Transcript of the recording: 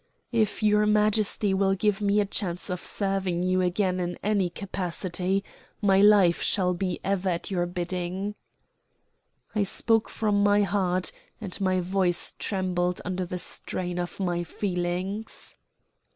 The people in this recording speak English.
"If your Majesty will give me a chance of serving you again in any capacity, my life shall be ever at your bidding." I spoke from my heart, and my voice trembled under the strain of my feelings.